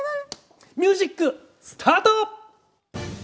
ミュージックスタート！